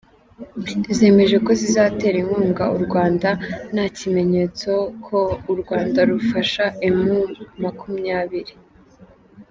zemeje ko zizatera inkunga u Rwanda; nta kimenyetso ko u Rwanda rufasha emu makumyabiri